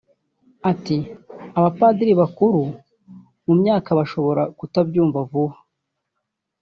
Ati “Abapadiri bakuru mu myaka bashobora kutabyumva vuba